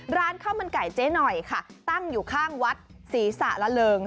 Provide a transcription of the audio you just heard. ร้านข้าวมันไก่เจ๊หน่อยค่ะตั้งอยู่ข้างวัดศรีสระเริง